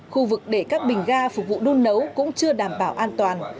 khu vực để các bình ga phục vụ đun nấu cũng chưa đảm bảo an toàn